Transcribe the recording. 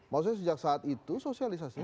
maksudnya sejak saat itu sosialisasi